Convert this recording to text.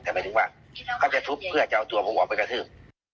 แต่หมายถึงว่าเขาจะทุบเพื่อจะเอาตัวผมออกไปกระทืบ